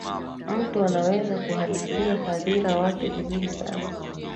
mtu anaweza kuhadithia hadhira wake vizuri sana